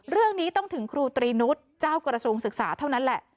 เรื่องนี้ต้องถึงครูตรีนุษย์เจ้ากระทรวงศึกษาเท่านั้นแหละ